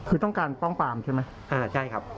คือต้องการป้องปามใช่ไหม